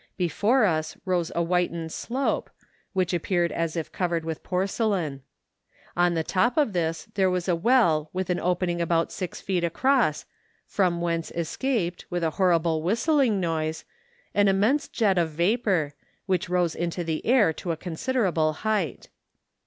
Before us rose a whitened slope, which appeared as if (Covered with porcelain. DISCOVERY OF AN ANCIENT VOLCANO. 275 On the top of this there was a well with an opening about six feet across, from whence escaped, with a horrible whistling noise, an immense jet of vapour, which rose into the air to a considerable height.